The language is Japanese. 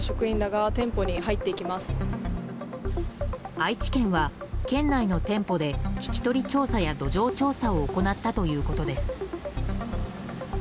愛知県は、県内の店舗で聞き取り調査や土壌調査を行ったということです。